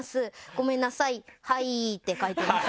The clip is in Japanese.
ごめんなさい、はいって書いてます。